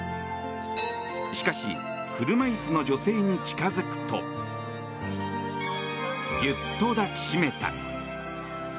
しかし車椅子の女性に近づくとぎゅっと抱きしめた。